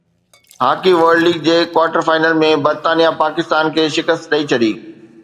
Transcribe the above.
hockey world league جي quarter final ۾ برطانيا پاڪستان کي شڪست ڏئي ڇڏي